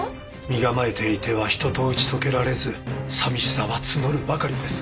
身構えていては人と打ち解けられず寂しさは募るばかりです。